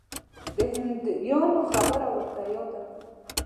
د هندیانو خبره ورته یاده کړه.